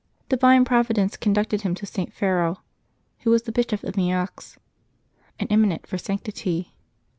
Divine Providence conducted him to St. Faro, who was the Bishop of Meaux, and eminent for sanctity.